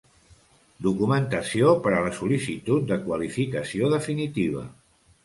Documentació per a la sol·licitud de qualificació definitiva.